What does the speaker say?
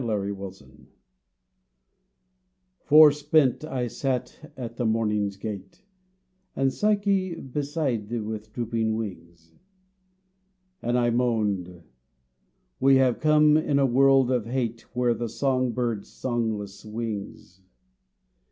76 TO PSYCHE FORESPENT I sat at the morning's gate And Psyche beside with drooping wings, And I moaned, " We have come in a world of hate Where the song bird songless wings."